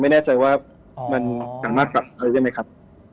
ไม่แน่ใจว่ามันดังมากกลับมาได้ไหมครับ